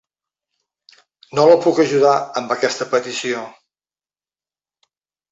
No la puc ajudar amb aquesta petició.